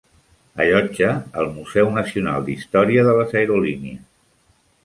Allotja el Museu Nacional d'Història de les Aerolínies.